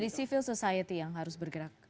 jadi civil society yang harus bergerak